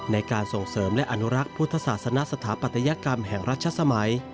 ในการส่งเสริมและอนุรักษ์พุทธศาสนสถาปัตยกรรมแห่งรัชสมัย